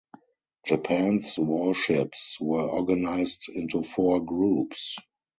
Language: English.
Japan's warships were organized into four groups.